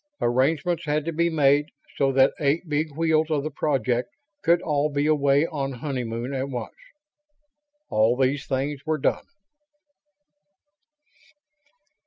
Arrangements had to be made so that eight Big Wheels of the Project could all be away on honeymoon at once. All these things were done.